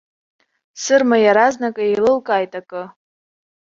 Сырма иаразнак иеилылкааит акы.